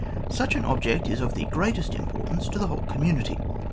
Such an object is of the greatest importance to the whole community.